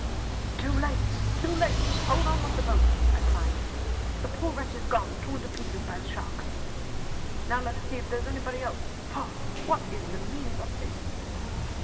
"Too late! too late! hold on with the boat," I cried. "The poor wretch is gone; torn to pieces by the sharks! Now let us see if there is anybody else faugh! What on earth is the meaning of this?"